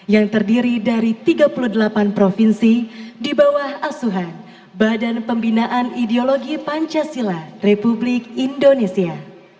yang terdiri dari tiga puluh delapan provinsi di bawah asuhan badan pembinaan ideologi pancasila republik indonesia